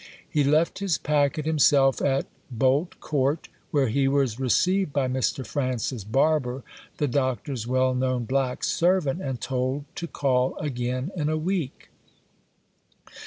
He left his packet himself at Bolt Court, where he was received by Mr. Francis Barber, the doctor's well known black servant, and told to call again in a week.